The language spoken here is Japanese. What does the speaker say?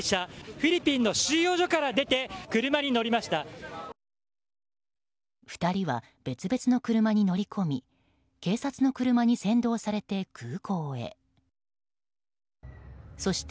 フィリピンの収容所から出て車に乗りました。